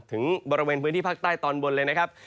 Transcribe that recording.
ถึงบริเวณพื้นที่ภาคใต้ตอนบนเลยนะครับ